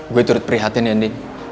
gue turut prihatin ya nih